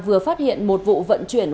vừa phát hiện một vụ vận chuyển